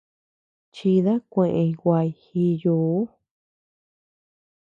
Chida kuey guay jiyuu.